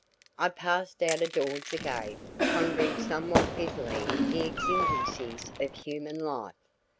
I passed out of doors again, pondering somewhat bitterly the exigencies of human life.